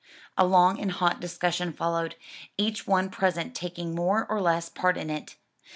A long and hot discussion followed, each one present taking more or less part in it.